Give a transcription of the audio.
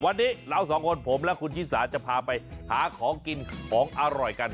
วันนี้เราสองคนผมและคุณชิสาจะพาไปหาของกินของอร่อยกัน